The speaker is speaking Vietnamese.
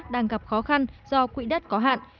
đang gặp khó khăn do quỹ đất có hạn